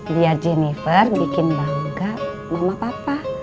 lihat jennifer bikin bangga mama papa